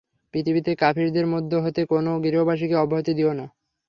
পৃথিবীতে কাফিরদের মধ্য হতে কোন গৃহবাসীকে অব্যাহতি দিও না।